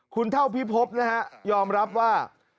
คุณเท่าพิพบนะฮะยอมรับว่า